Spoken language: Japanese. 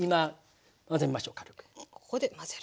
ここで混ぜる。